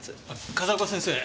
風丘先生。